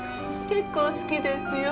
結構好きですよ。